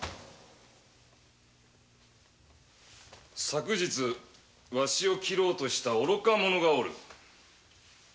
昨日ワシを切ろうとした愚か者がおる。